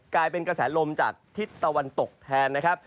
กลายเป็นกระแสลมจากทิศตะวันตกแทนนะครับ